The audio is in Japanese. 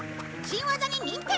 新技に認定！